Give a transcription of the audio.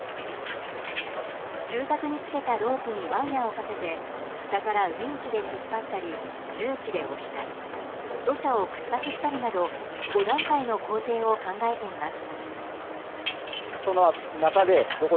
住宅につけたロープにワイヤをかけて下からウインチで引っ張ったり重機で押したり土砂を掘削したりなど５段階の工程を考えています。